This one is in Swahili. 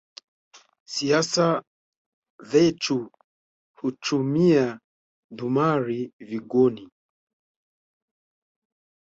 Siasa dhechu huchumia dhumari vugoni.